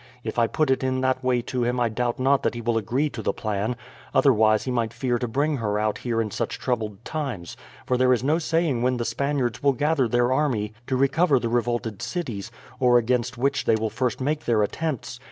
If I put it in that way to him I doubt not that he will agree to the plan; otherwise, he might fear to bring her out here in such troubled times, for there is no saying when the Spaniards will gather their army to recover the revolted cities, or against which they will first make their attempts.